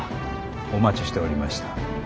お待ちしておりました。